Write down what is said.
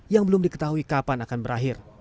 yang belum diketahui kapan akan berakhir